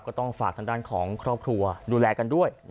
ก็ต้องฝากทางด้านของครอบครัวดูแลกันด้วย